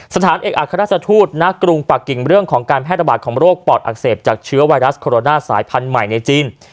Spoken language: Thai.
สถานเอกอัครราชทูตณกรุงปากกิ่งเรื่องของการแพร่ระบาดของโรคปอดอักเสบจากเชื้อไวรัสโคโรนาสายพันธุ์ใหม่ในจีน